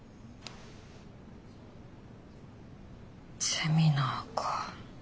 セミナーか。